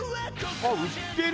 あっ売ってる！